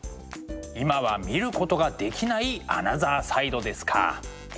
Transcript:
今は見ることができないアナザーサイドですか。